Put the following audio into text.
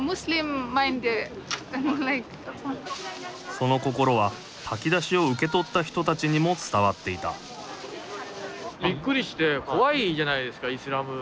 その心は炊き出しを受け取った人たちにも伝わっていたびっくりして怖いじゃないですかイスラム。